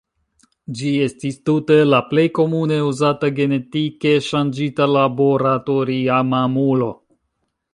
Ĝi estis tute la plej komune uzata genetike ŝanĝita laboratoria mamulo.